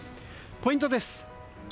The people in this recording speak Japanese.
ポイントです。